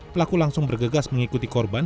pelaku langsung bergegas mengikuti korban